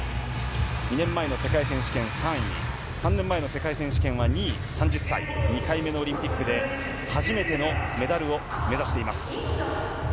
２年前の世界選手権３位、３年前の世界選手権は２位、３０歳、２回目のオリンピックで初めてのメダルを目指しています。